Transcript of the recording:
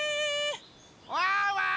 ・ワンワーン！